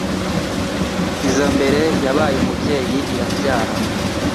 Nk’iza mbere Yabaye umubyeyi irabyara